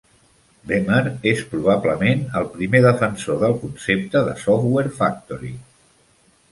Bemer és probablement el primer defensor del concepte de Software Factory.